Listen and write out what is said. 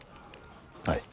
はい。